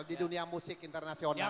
di dunia musik internasional